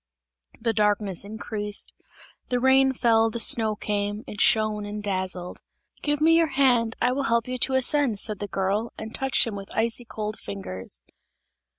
The darkness increased, the rain fell, the snow came; it shone and dazzled. "Give me your hand, I will help you to ascend!" said the girl, and touched him with icy cold fingers.